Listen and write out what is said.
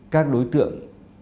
các đối tượng